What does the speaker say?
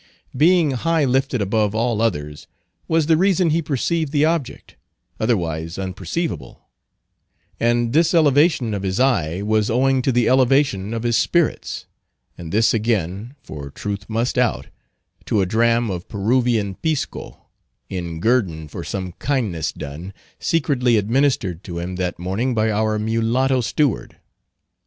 Being high lifted above all others was the reason he perceived the object, otherwise unperceivable; and this elevation of his eye was owing to the elevation of his spirits; and this again—for truth must out—to a dram of Peruvian pisco, in guerdon for some kindness done, secretly administered to him that morning by our mulatto steward.